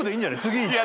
次いって。